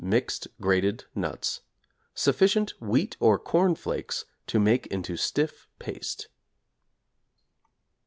mixed grated nuts; sufficient 'Wheat or Corn Flakes' to make into stiff paste.